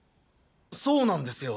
そうなんですよ。